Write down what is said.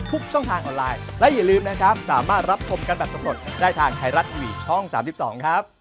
เป็นไอเดียนน่ารักดีนะคะคุณยายค่ะ